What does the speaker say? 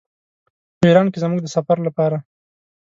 په ایران کې زموږ د سفر لپاره.